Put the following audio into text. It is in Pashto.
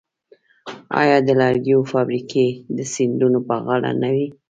آیا د لرګیو فابریکې د سیندونو په غاړه نه وې؟